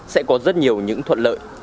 sẽ có rất nhiều những thuận lợi